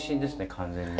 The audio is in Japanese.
完全に。